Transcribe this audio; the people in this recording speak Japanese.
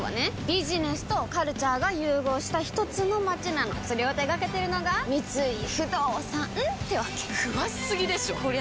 ビジネスとカルチャーが融合したひとつの街なのそれを手掛けてるのが三井不動産ってわけ詳しすぎでしょこりゃ